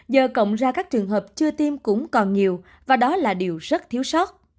giờ cộng ra các trường hợp chưa tiêm cũng còn nhiều và đó là điều rất thiếu sót